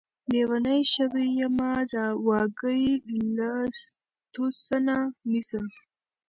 لېونے شوے يمه واګې له توسنه نيسم